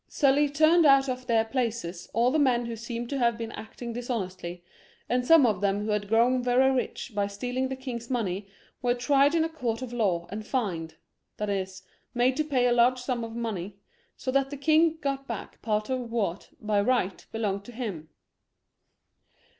Sully turned out of their places all the men who seemed to have been acting dishonestly, and some of them who had grown very rich by stealing the king's money were tried in a court of law and fined, that is, made to pay a large sum of money, so that the king got back part of what, by rights, belonged to him.